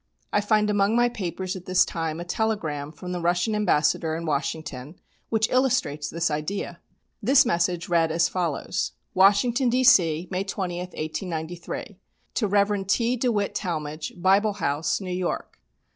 I find among my papers at this time a telegram from the Russian Ambassador in Washington, which illustrates this idea. This message read as follows: "Washington, D.C., May 20, 1893. "To Rev. T. DeWitt Talmage, Bible House, New York.